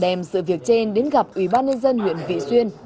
đem sự việc trên đến gặp ủy ban nhân dân huyện vị xuyên